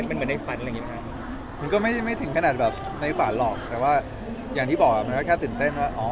มันก็ไม่ถึงขนาดแบบในฝาหลอกแต่ว่าอย่างที่บอกมันก็แค่ตื่นเต้น